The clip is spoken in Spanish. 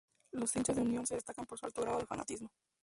Los hinchas de Unión se destacan por su alto grado de fanatismo.